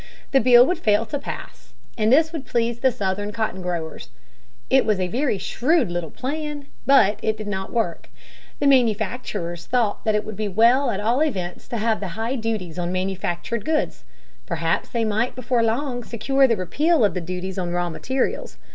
The bill would fail to pass, and this would please the Southern cotton growers. It was a very shrewd little plan. But it did not work. The manufacturers thought that it would be well at all events to have the high duties on manufactured goods perhaps they might before long secure the repeal of the duties on raw materials.